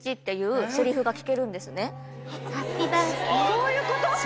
そういうこと？